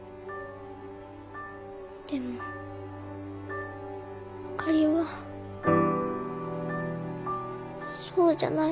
でもあかりはそうじゃない。